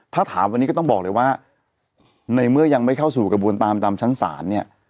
ถ้าถามวันนี้ก็ต้องบอกเลยว่าในเมื่อยังไม่เข้าสู่กระบวนตามตามชั้นศาลเนี่ย